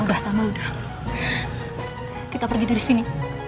udah lama udah kita pergi dari sini